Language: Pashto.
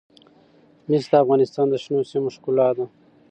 مس د افغانستان د شنو سیمو ښکلا ده.